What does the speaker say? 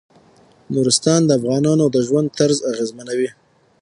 نورستان د افغانانو د ژوند طرز اغېزمنوي.